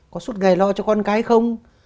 có suốt ngày lo cho con cái không